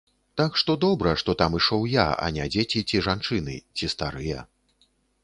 Так што добра, што там ішоў я, а не дзеці ці жанчыны, ці старыя.